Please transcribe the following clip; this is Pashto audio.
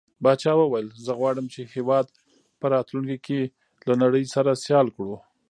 پاچا وويل: زه غواړم چې هيواد په راتلونکي کې له نړۍ سره سيال کړو.